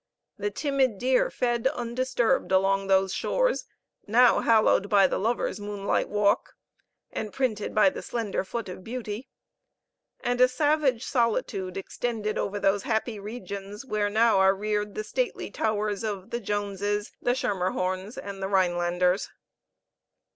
The timid deer fed undisturbed along those shores now hallowed by the lover's moonlight walk, and printed by the slender foot of beauty; and a savage solitude extended over those happy regions, where now are reared the stately towers of the Joneses, the Schermerhornes, and the Rhinelanders.